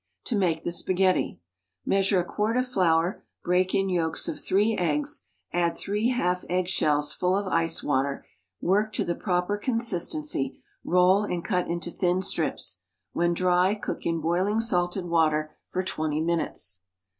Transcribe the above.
To make the spaghetti : Measure a quart of flour, break in yolks of three eggs, add three half eggshells full of ice water, work to the proper consistency, roll and cut into thin strips. When dry cook in boiling salted water for twenty minutes.